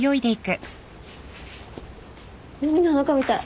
海の中みたい。